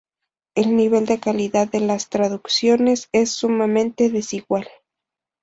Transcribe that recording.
El nivel de calidad de las traducciones es sumamente desigual.